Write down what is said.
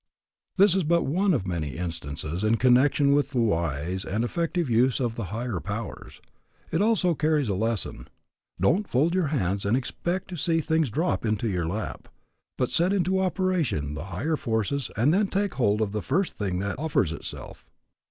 This is but one of many instances in connection with the wise and effective use of the higher powers. It also carries a lesson, Don't fold your hands and expect to see things drop into your lap, but set into operation the higher forces and then take hold of the first thing that offers itself.